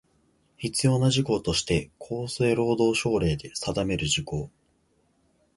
必要な事項として厚生労働省令で定める事項